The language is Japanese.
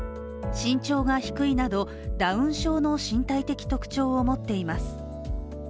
身長が低いなどダウン症の身体的特徴を持っています。